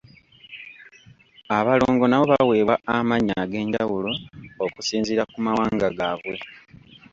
Abalongo nabo baweebwa amannya ag'enjawulo okusinziira ku mawanga gaabwe.